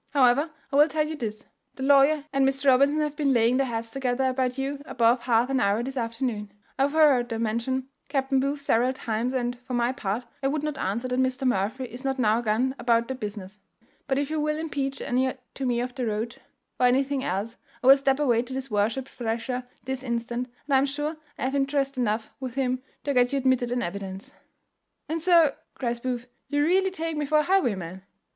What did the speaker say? However, I will tell you this: the lawyer and Mr. Robinson have been laying their heads together about you above half an hour this afternoon. I overheard them mention Captain Booth several times, and, for my part, I would not answer that Mr. Murphy is not now gone about the business; but if you will impeach any to me of the road, or anything else, I will step away to his worship Thrasher this instant, and I am sure I have interest enough with him to get you admitted an evidence." "And so," cries Booth, "you really take me for a highwayman?"